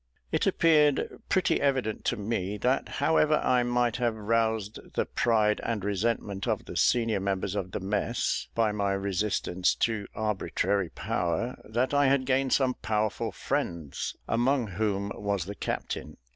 It appeared pretty evident to me, that however I might have roused the pride and resentment of the senior members of the mess by my resistance to arbitrary power, that I had gained some powerful friends, among whom was the captain.